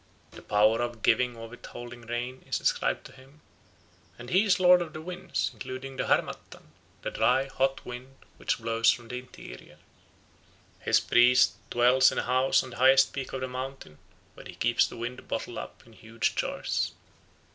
The power of giving or withholding rain is ascribed to him, and he is lord of the winds, including the Harmattan, the dry, hot wind which blows from the interior. His priest dwells in a house on the highest peak of the mountain, where he keeps the winds bottled up in huge jars.